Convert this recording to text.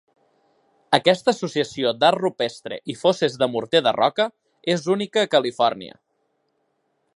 Aquesta associació d'art rupestre i fosses de morter de roca és única a Califòrnia.